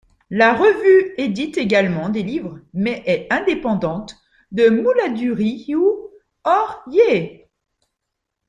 La revue édite également des livres mais est indépendante de Mouladurioù Hor Yezh.